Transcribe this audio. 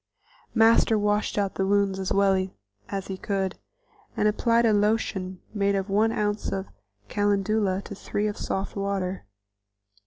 Master washed out the wounds as well as he could, and applied a lotion made of one ounce calendula to three of soft water.